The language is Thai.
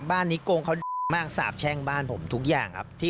นิโกงเขามากสาบแช่งบ้านผมทุกอย่างครับ